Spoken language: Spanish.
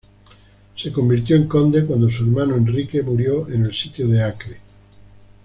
Se convirtió en conde cuando su hermano Enrique murió en el Sitio de Acre.